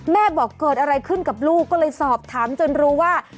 บอกเกิดอะไรขึ้นกับลูกก็เลยสอบถามจนรู้ว่า